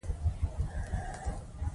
د تعلیماتو قانون له مخې دولت مکلف وګرځول شو.